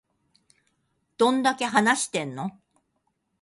どんだけ話してんの